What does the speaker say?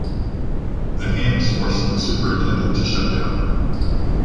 The hands forced the superintendent to shut down.